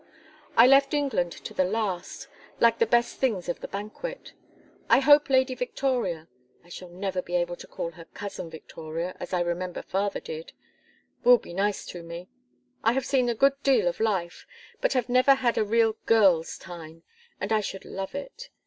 I left England to the last, like the best things of the banquet. I hope Lady Victoria I shall never be able to call her Cousin Victoria, as I remember father did will be nice to me. I have seen a good deal of life, but have never had a real girl's time, and I should love it.